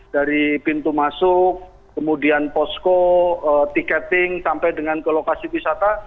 dari pintu masuk kemudian posko tiketing sampai dengan ke lokasi wisata